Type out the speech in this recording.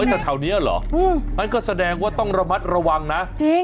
แต่แถวนี้เหรองั้นก็แสดงว่าต้องระมัดระวังนะจริง